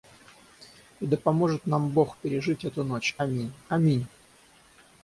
«И да поможет нам бог пережить эту ночь, аминь!» — «Аминь!»